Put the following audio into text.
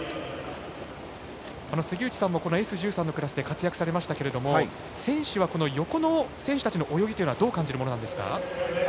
杉内さんもＳ１３のクラスで活躍されましたが選手はこの横の選手たちの泳ぎどう感じるものなんですか？